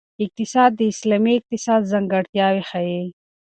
اقتصاد د اسلامي اقتصاد ځانګړتیاوې ښيي.